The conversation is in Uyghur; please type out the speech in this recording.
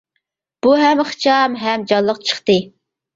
بۇ ھەم ئىخچام، ھەم جانلىق چىقتى.